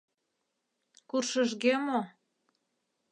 Куршыжге мо?